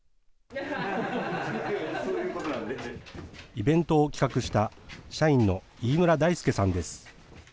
イベントを企画した社員の飯村大介さんです。